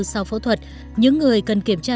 sau phẫu thuật những người cần kiểm tra